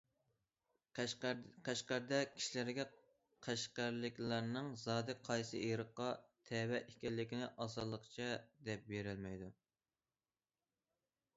قەشقەردە كىشىلەر قەشقەرلىكلەرنىڭ زادى قايسى ئىرققا تەۋە ئىكەنلىكىنى ئاسانلىقچە دەپ بېرەلمەيدۇ.